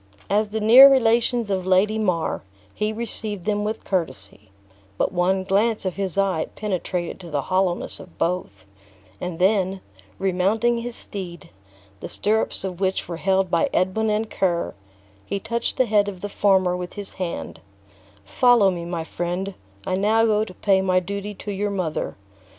As the near relations of Lady Mar, he received them with courtesy; but one glance of his eye penetrated to the hollowness of both; and then, remounting his steed, the stirrups of which were held by Edwin and Ker, he touched the head of the former with his hand; "Follow me, my friend; I now go to pay my duty to your mother.